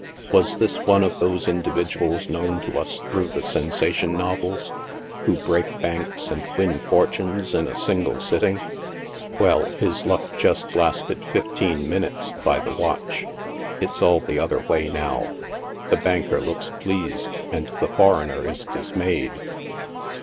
"Was this one of those individuals known to us through the sensa tion novels, who breaks banks and wins fortunes in a single sitting ? Well, his luck just lasted fifteen minutes, by the watch ;; it?s all the other way, now ; the banker looks pleased, and the foreigner is dis mayed.